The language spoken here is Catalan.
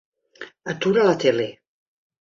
Atura la tele.